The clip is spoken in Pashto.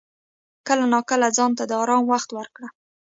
کله ناکله ځان ته د آرام وخت ورکړه.